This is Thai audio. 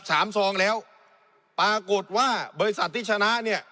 ซองแล้วปรากฏว่าบริษัทที่ชนะเนี่ย